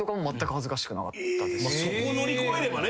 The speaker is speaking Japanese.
そこ乗り越えればね。